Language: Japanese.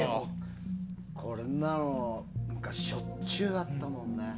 こんなの昔しょっちゅうあったもんね。